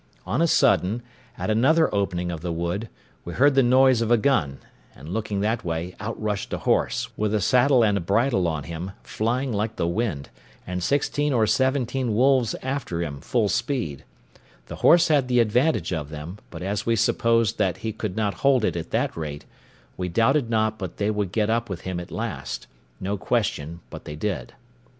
On a sudden, at another opening of the wood, we heard the noise of a gun, and looking that way, out rushed a horse, with a saddle and a bridle on him, flying like the wind, and sixteen or seventeen wolves after him, full speed: the horse had the advantage of them; but as we supposed that he could not hold it at that rate, we doubted not but they would get up with him at last: no question but they did.